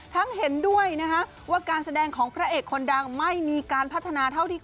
เห็นด้วยนะคะว่าการแสดงของพระเอกคนดังไม่มีการพัฒนาเท่าที่